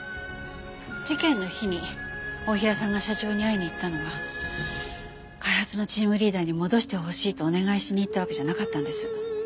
事件の日に太平さんが社長に会いに行ったのは開発のチームリーダーに戻してほしいとお願いしに行ったわけじゃなかったんです。